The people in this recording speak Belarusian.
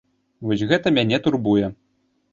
Вось гэта мяне турбуе.